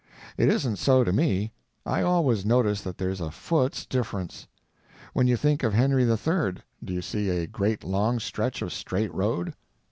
It isn't so to me; I always notice that there's a foot's difference. When you think of Henry III. do you see a great long stretch of straight road?